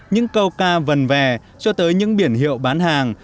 những câu ca vần về cho tới những biển hiệu bán hàng